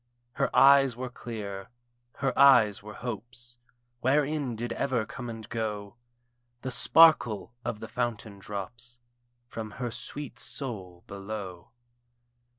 Her eyes were clear, her eyes were Hope's, Wherein did ever come and go The sparkle of the fountain drops From her sweet soul below.